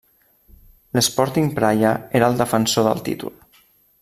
L'Sporting Praia era el defensor del títol.